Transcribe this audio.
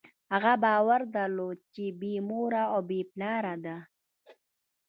هغه باور درلود، چې بېمور او بېپلاره دی.